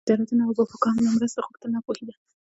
د زيارتونو او باباګانو نه مرسته غوښتل ناپوهي ده